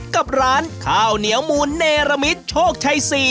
กับร้านข้าวเหนียวมูลเนรมิตโชคชัย๔